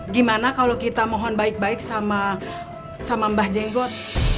gimana kalau kita mohon baik baik sama mbah jenggot